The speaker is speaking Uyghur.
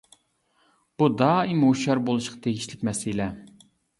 بۇ دائىم ھوشيار بولۇشقا تېگىشلىك مەسىلە.